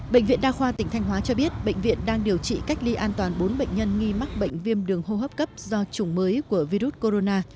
bệnh viện đa khoa tỉnh thanh hóa cho biết bệnh viện đang điều trị cách ly an toàn bốn bệnh nhân nghi mắc bệnh viêm đường hô hấp cấp do chủng mới của virus corona